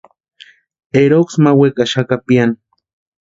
Eroksï ma wekaxaka piani.